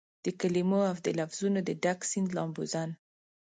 دکلمو اودلفظونو دډک سیند لامبوزن